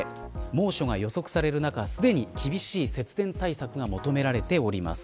猛暑が予測される中、すでに厳しい節電対策が求められております。